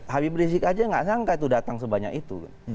habib rizik aja nggak sangka itu datang sebanyak itu